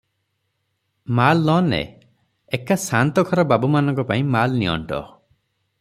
ମାଲ୍ ନ ନେ, ଏକା ସାଆନ୍ତଘର ବାବୁମାନଙ୍କ ପାଇଁ ମାଲ ନିଅଣ୍ଟ ।